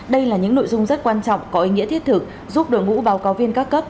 đây là những nội dung rất quan trọng có ý nghĩa thiết thực giúp đội ngũ báo cáo viên các cấp